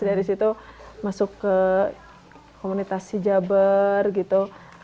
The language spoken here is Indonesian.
dari situ masuk ke komunitas si jabar gitu